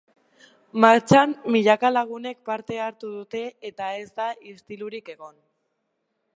Martxan milaka lagunek parte hartu dute eta ez da istilurik egon.